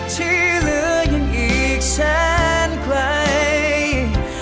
ที่เหลือยังอีกแสนไกล